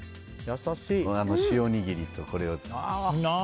塩おにぎりとこれを。